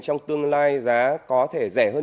trong tương lai giá có thể rẻ hơn